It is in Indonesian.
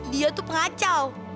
dia tuh pengacau